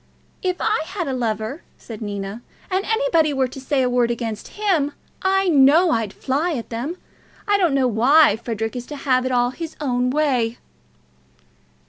"If I had a lover," said Nina, "and anybody were to say a word against him, I know I'd fly at them. I don't know why Frederic is to have it all his own way."